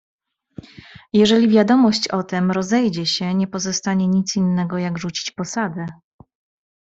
"Jeżeli wiadomość o tem rozejdzie się, nie pozostanie nic innego, jak rzucić posadę."